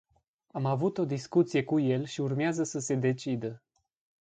Am avut o discuție cu el și urmează să se decidă.